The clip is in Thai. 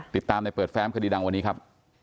ติดตามในเปิดแฟ้มคดีดังวันนี้ครับ